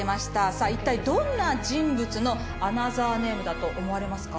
さあ一体どんな人物のアナザーネームだと思われますか？